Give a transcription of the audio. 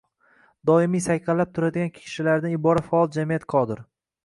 doimiy sayqallab turadigan kishilardan iborat faol jamiyat qodir.